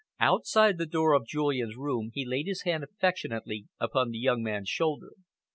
Outside the door of Julian's room, he laid his hand affectionately upon the young man's shoulder.